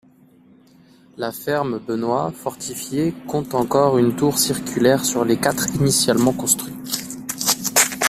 La ferme Benoît, fortifiée, compte encore une tour circulaire sur les quatre initialement construites.